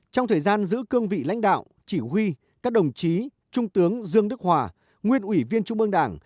trong thời gian giữ cương vị lãnh đạo chỉ huy các đồng chí trung tướng dương đức hòa nguyên ủy viên trung ương đảng